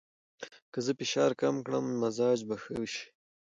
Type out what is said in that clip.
که زه فشار کم کړم، مزاج به ښه شي.